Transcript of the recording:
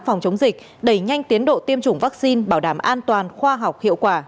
phòng chống dịch đẩy nhanh tiến độ tiêm chủng vaccine bảo đảm an toàn khoa học hiệu quả